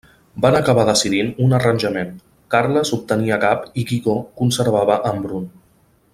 Van acabar decidint un arranjament, Carles obtenia Gap i Guigó conservava Embrun.